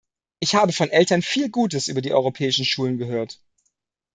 Ich habe von Eltern viel Gutes über die Europäischen Schulen gehört.